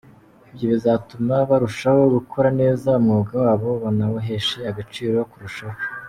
Ibyo bizatuma barushaho gukora neza umwuga wabo, banawuheshe agaciro kurushaho.